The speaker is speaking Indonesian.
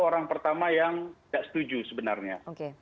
orang pertama yang tidak setuju sebenarnya